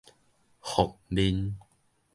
服面